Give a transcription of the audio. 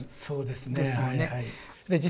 そうですね